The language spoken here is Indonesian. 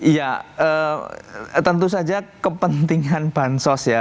ya tentu saja kepentingan bahan sos ya